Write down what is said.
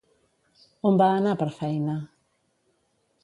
On va anar per feina?